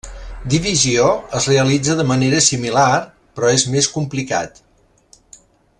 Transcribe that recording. Divisió es realitza de manera similar, però és més complicat.